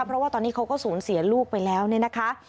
เพราะว่าตอนนี้เขาก็สูญเสียลูกไปแล้วเนี่ยนะคะ